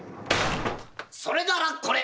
「それならこれ。